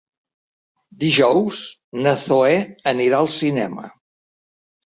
Dijous na Zoè anirà al cinema.